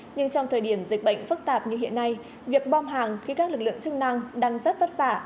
nhưng trong thời điểm dịch bệnh phức tạp như hiện nay việc bom hàng khi các lực lượng chức năng đang rất vất vả